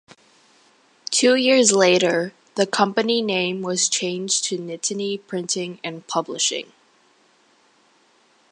Two years later, the company name was changed to Nittany Printing and Publishing.